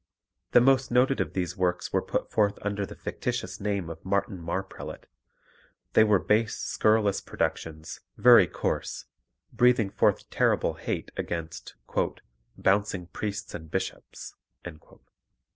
The most noted of these works were put forth under the fictitious name of Martin Marprelate. They were base, scurrilous productions, very coarse, breathing forth terrible hate against "bouncing priests and bishops."